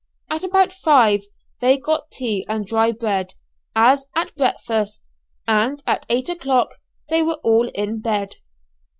About five they got tea and dry bread, as at breakfast; and at eight o'clock they were all in bed.